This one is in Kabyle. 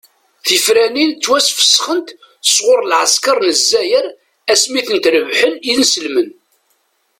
Tifranin ttwasfesxent sɣur lɛeskaṛ n lezzayer ass mi i tent-rebḥen isenselmen.